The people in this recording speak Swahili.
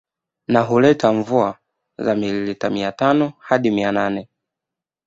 Na huleta mvua za milimita mia tano hadi mia nane